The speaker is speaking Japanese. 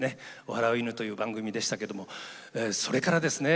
「笑う犬」という番組でしたけどもそれからですね